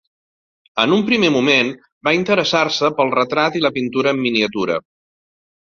En un primer moment, va interessar-se pel retrat i la pintura en miniatura.